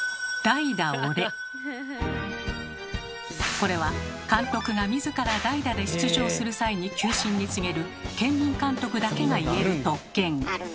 これは監督が自ら代打で出場する際に球審に告げる兼任監督だけが言える特権。